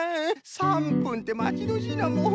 ３ぷんってまちどおしいなもう。